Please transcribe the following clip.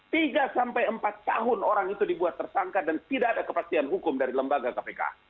tiga sampai empat tahun orang itu dibuat tersangka dan tidak ada kepastian hukum dari lembaga kpk